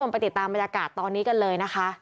ไปติดตามบรรยากาศตอนนี้กันเลยนะคะ